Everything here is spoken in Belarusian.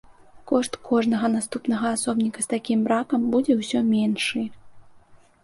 Кошт кожнага наступнага асобніка з такім бракам будзе ўсё меншы.